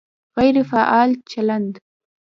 غیر فعال چلند